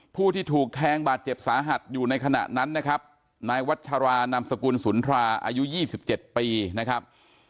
ผู้ที่ถูกแทงบาดเจ็บสาหัสอยู่ในขณะนั้นนะครับนายวัชรานามสกุลสุนทราอายุ๒๗ปีนะครับ